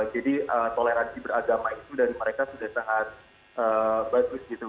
jadi toleransi beragama itu dari mereka sudah sangat bagus gitu